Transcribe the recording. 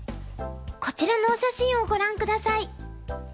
こちらのお写真をご覧下さい。